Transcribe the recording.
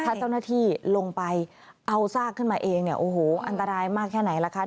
ถ้าเจ้าหน้าที่ลงไปเอาซากขึ้นมาเองเนี่ยโอ้โหอันตรายมากแค่ไหนล่ะคะ